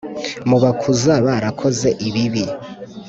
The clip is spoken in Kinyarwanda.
Mubakuza barakoze ibibi.